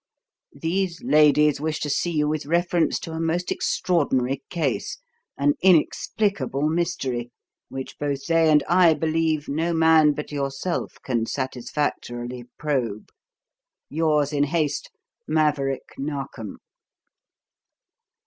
These ladies wish to see you with reference to a most extraordinary case, an inexplicable mystery, which both they and I believe no man but yourself can satisfactorily probe. "Yours in haste, "Maverick Narkom."